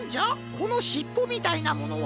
このしっぽみたいなものは。